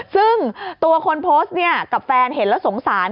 ซึ่งตัวคนโพสต์เนี่ยกับแฟนเห็นแล้วสงสาร